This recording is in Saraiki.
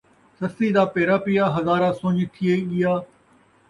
سسی دا پیرا پیا ، ہزارہ سن٘ڄ تھی ڳیا